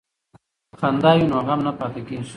که خندا وي نو غم نه پاتې کیږي.